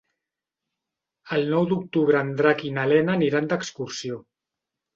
El nou d'octubre en Drac i na Lena aniran d'excursió.